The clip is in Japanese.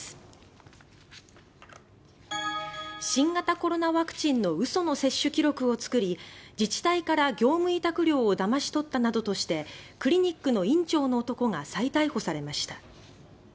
新型コロナワクチンのうその接種記録を作り自治体から業務委託料をだまし取ったなどとしてクリニックの院長の男が再逮捕されました。